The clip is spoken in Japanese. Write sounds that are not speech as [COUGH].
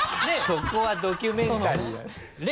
そこはドキュメンタリー [LAUGHS]